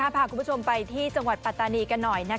พาคุณผู้ชมไปที่จังหวัดปัตตานีกันหน่อย